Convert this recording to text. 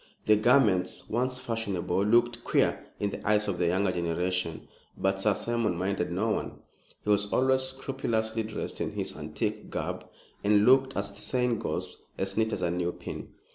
The garments, once fashionable, looked queer in the eyes of a younger generation; but Sir Simon minded no one. He was always scrupulously dressed in his antique garb, and looked, as the saying goes, as neat as a new pin.